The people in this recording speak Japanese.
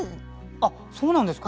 あっそうなんですか？